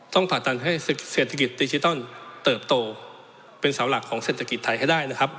ผ่าตัดให้เศรษฐกิจดิจิตอลเติบโตเป็นเสาหลักของเศรษฐกิจไทยให้ได้นะครับ